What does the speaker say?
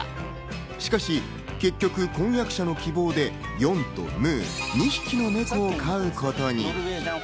しかし結局、婚約者の希望で、よんと、むーを２匹のネコを飼うことに。